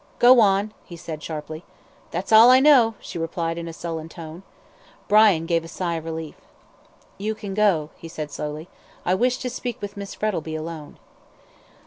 "Go on!" he said sharply. "That's all I know," she replied, in a sullen tone. Brian gave a sigh of relief. "You can go," he said slowly; "I wish to speak with Miss Frettlby alone."